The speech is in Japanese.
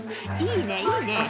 いいねいいねぇ。